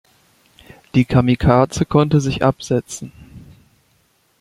Die "Kamikaze" konnte sich absetzen.